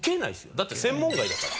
だって専門外だから。